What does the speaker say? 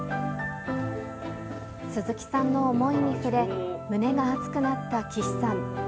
鈴木さんの想いに触れ、胸が熱くなった岸さん。